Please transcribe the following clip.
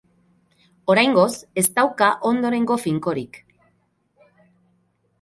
Oraingoz, ez dauka ondorengo finkorik.